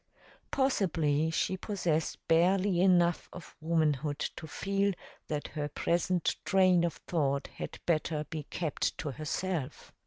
Possibly she possessed barely enough of womanhood to feel that her present train of thought had better be kept to herself.